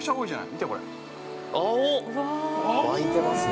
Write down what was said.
◆湧いてますね。